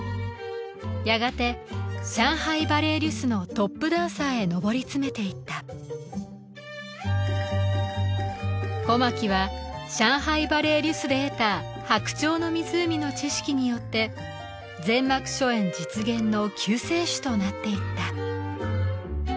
やがて上海バレエリュスのトップダンサーへ上り詰めていった小牧は上海バレエリュスで得た「白鳥の湖」の知識によって全幕初演実現の救世主となっていった